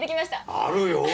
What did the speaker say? あるよ